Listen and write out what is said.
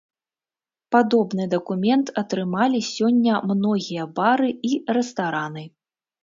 Падобны дакумент атрымалі сёння многія бары і рэстараны.